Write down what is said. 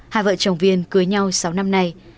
hai vợ chồng viên cưới nhau sáu năm nay